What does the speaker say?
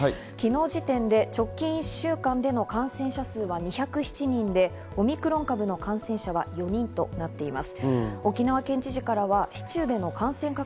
昨日時点で直近１週間での感染者数は２０７人でオミクロン株の感染者は４人となっています。